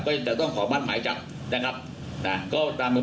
ก็จะต้องขอมั่นหมายจับนะครับน่ะก็ตามเป็นแผนอันฐานนะครับ